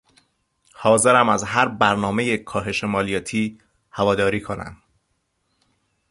حاضرم از هر برنامهی کاهش مالیاتی هواداری کنم.